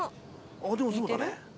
あっでもそうだね。